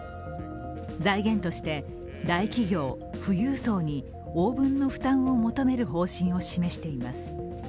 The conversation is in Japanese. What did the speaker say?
財源として大企業・富裕層に応分の負担を求める方針を示しています。